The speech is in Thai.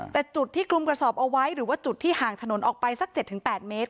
แต่จุดที่คลุมกระสอบเอาไว้หรือว่าจุดที่ห่างถนนออกไปสัก๗๘เมตร